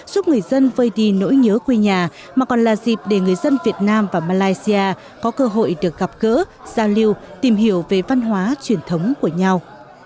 giúp người dân vơi đi nỗi nhớ quê nhà mà còn là dịp để người dân việt nam và malaysia có cơ hội được gặp gỡ giao lưu tìm hiểu về văn hóa truyền thống của nhau